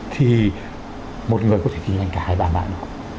thì một người có thể kinh doanh cả hai ba mạng